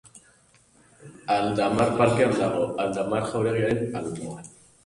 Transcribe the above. Aldamar parkean dago, Aldamar jauregiaren alboan.